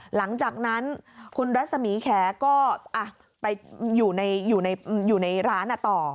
หลังจากนั้นคุณรัศมีแขก็ไปอยู่ในร้านต่อ